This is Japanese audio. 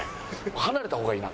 離れた方がいいな。